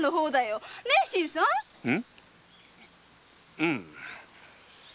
うん。